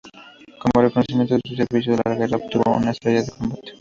Como reconocimiento de sus servicios en la guerra obtuvo una estrella de combate.